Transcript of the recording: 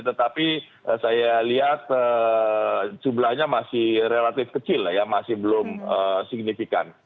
tetapi saya lihat jumlahnya masih relatif kecil masih belum signifikan